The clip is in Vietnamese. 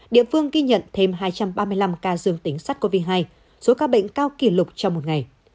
địa phương ghi nhận thêm hai trăm ba mươi năm ca dương tính sát covid hai số ca bệnh cao kỷ lục trong một ngày